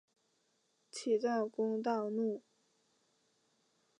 齐悼公大怒。